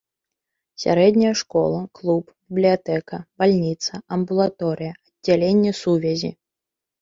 Сярэдняя школа, клуб, бібліятэка, бальніца, амбулаторыя, аддзяленне сувязі.